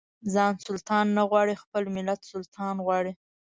ځان سلطان نه غواړي خپل ملت سلطان غواړي.